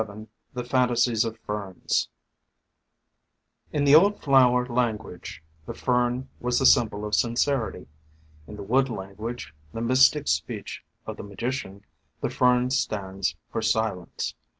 VII THE FANTASIES OF FERNS IN the old flower lan guage, the Fern was the symbol of sincerity. In the wood language, the mystic speech of the Magician, the Fern stands for silence.